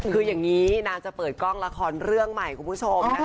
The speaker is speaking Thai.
คืออย่างเนี้ยน่าจะเปิดละครเรื่องใหม่